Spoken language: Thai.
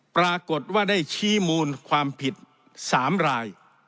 ปรากฏว่าได้ชี้มูลความผิด๓ราย